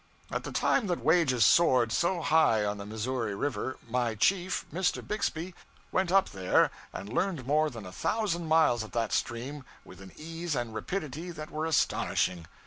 At the time that wages soared so high on the Missouri River, my chief, Mr. Bixby, went up there and learned more than a thousand miles of that stream with an ease and rapidity that were astonishing.